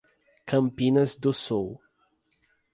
Campinas do Sul